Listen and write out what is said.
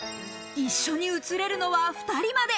一緒に写れるのは２人まで。